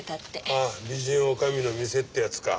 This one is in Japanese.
ああ美人女将の店ってやつか。